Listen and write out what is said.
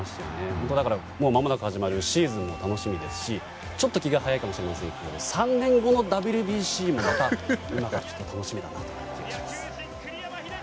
もうまもなく始まるシーズンも楽しみですしちょっと気が早いですけど３年後のＷＢＣもまた今から楽しみだなと思います。